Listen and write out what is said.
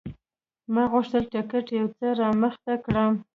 ما غوښتل ټکټ یو څه رامخته کړم.